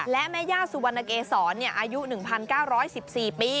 และแม่ย่าสุวรรณเกษรอายุ๑๙๑๔ปี